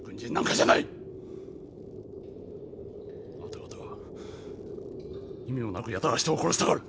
あなた方は意味もなくやたら人を殺したがる。